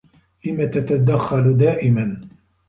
لم تتدخّل دائما؟